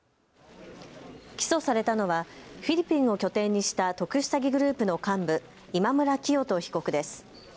起訴されたのはフィリピンを拠点にした特殊詐欺グループの幹部、今村磨人被告です。